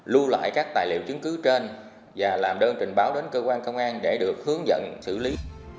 lưu lại các tài liệu chứng cứ trên và làm đơn trình báo đến cơ quan công an để được hướng dẫn xử lý